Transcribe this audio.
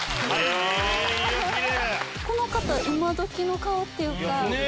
この方今どきの顔っていうか。